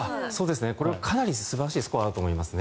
これはかなり素晴らしいスコアだと思いますね。